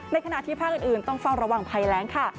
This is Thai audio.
ในขณะที่ภาคอื่นต้องฟังระหว่างภัยแรงค่ะ